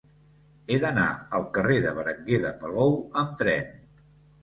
He d'anar al carrer de Berenguer de Palou amb tren.